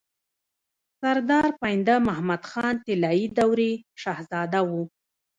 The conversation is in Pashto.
سردار پاينده محمد خان طلايي دورې شهزاده وو